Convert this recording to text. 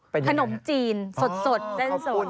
ผนมจีนสดแจ้งสด